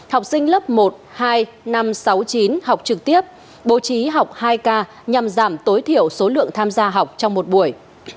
học sinh lớp một hai năm trăm sáu mươi chín học trực tiếp bố trí học hai k nhằm giảm tối thiểu số lượng tham gia học trong một buổi